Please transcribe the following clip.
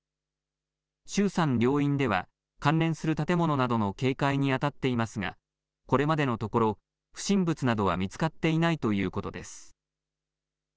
衆参両院では関連する建物などの警戒に当たっていますがこれまでのところ不審物などは見つかっていないということです。